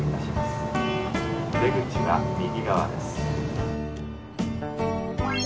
お出口は右側です」。